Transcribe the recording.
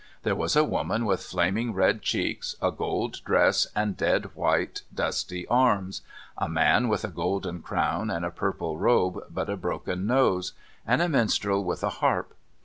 There was a woman with flaming red cheeks, a gold dress and dead white dusty arms, a man with a golden crown and a purple robe, but a broken nose, and a minstrel with a harp.